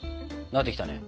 なってきたね。